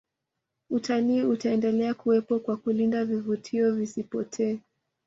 utalii utaendelea kuwepo kwa kulinda vivutio visipotee